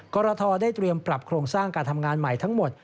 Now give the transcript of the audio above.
กรทได้เตรียมปรับโครงสร้างการทำงานใหม่ทั้งหมด